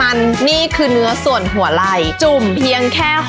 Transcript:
อันนี้คือ๓ชั้น